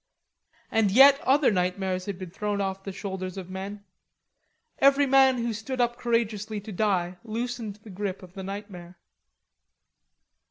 And yet other nightmares had been thrown off the shoulders of men. Every man who stood up courageously to die loosened the grip of the nightmare.